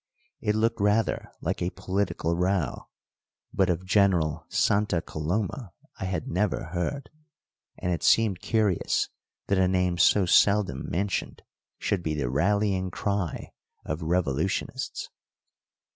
It looked rather like a political row but of General Santa Coloma I had never heard, and it seemed curious that a name so seldom mentioned should be the rallying cry of revolutionists.